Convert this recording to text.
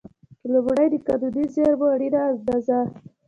لومړی: د قانوني زېرمو اړینه اندازه.